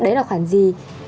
đấy là khoản gì